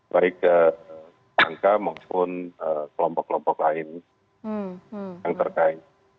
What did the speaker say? baik angka maupun kelompok kelompok lain yang terkait